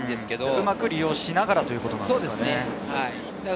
うまく利用しながらということですか？